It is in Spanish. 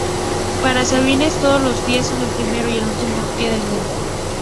Para Sabines, todos los días son el primero y el último día del mundo".